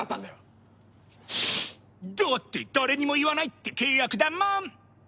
だって誰にも言わないって契約だもん！